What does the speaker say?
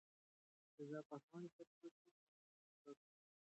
رضا پهلوي د پلار په قاره کې خاورو ته سپارل شوی.